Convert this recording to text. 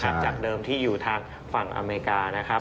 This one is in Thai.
จากเดิมที่อยู่ทางฝั่งอเมริกานะครับ